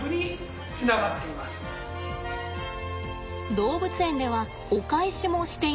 動物園ではお返しもしています。